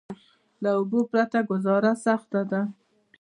له اوبو پرته ګذاره سخته ده.